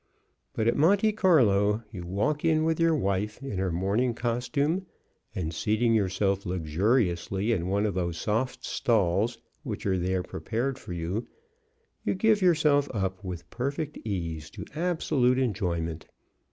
But at Monte Carlo you walk in with your wife in her morning costume, and seating yourself luxuriously in one of those soft stalls which are there prepared for you, you give yourself up with perfect ease to absolute enjoyment.